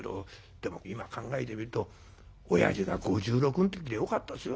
でも今考えてみるとおやじが５６ん時でよかったですよ。